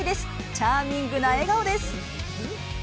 チャーミングな笑顔です。